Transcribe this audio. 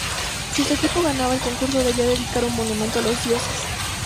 Si su equipo ganaba el concurso debía dedicar un monumento a los dioses.